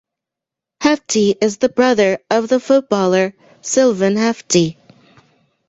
Hefti is the brother of the footballer Silvan Hefti.